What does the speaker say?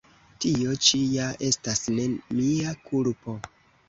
Tio ĉi ja estas ne mia kulpo!